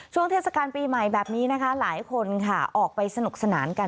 เทศกาลปีใหม่แบบนี้นะคะหลายคนค่ะออกไปสนุกสนานกัน